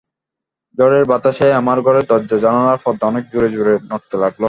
ঝড়ের বাতাসে আমার ঘরের দরজা-জানালার পর্দা অনেক জোরে জোরে নড়তে লাগল।